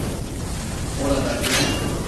Oradaki ne?